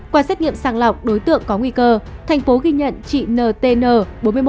qua xét nghiệm sàng lọc đối tượng có nguy cơ thành phố ghi nhận chị ntn bốn mươi một